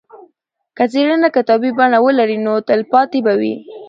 که څېړنه کتابي بڼه ولري نو تلپاتې به وي.